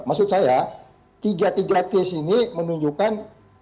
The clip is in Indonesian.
maksud saya tiga tiga case ini menunjukkan